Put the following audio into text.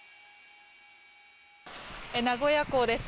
名古屋港です。